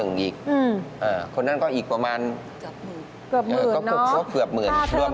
อืมคนนั้นก็อีกประมาณเกือบหมื่นนะครับ